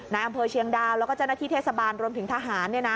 ในอำเภอเชียงดาวแล้วก็เจ้าหน้าที่เทศบาลรวมถึงทหาร